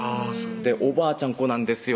おばあちゃん子なんですよ